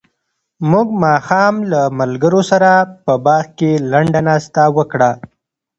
موږ ماښام له ملګرو سره په باغ کې لنډه ناسته وکړه.